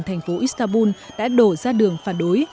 thành phố istanbul đã đổ ra đường phản đối